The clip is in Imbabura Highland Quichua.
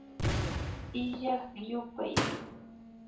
Illak yupay